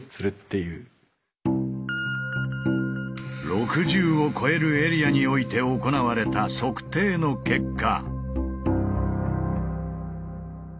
６０を超えるエリアにおいて行われた測定の結果。